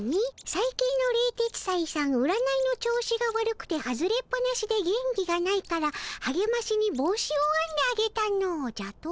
「さい近の冷徹斎さん占いの調子が悪くて外れっぱなしで元気がないからはげましに帽子をあんであげたの」じゃと？